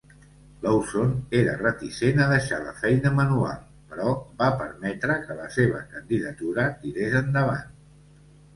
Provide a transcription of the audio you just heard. Lawson era reticent a deixar la feina manual, però va permetre que la seva candidatura tirés endavant.